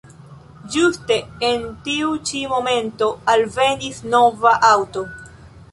Ĝuste en tiu ĉi momento alvenis nova aŭto.